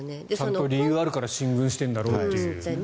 ちゃんと理由があるから進軍してるんだろうと。